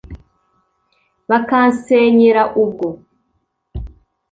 bakansenyera ubwo.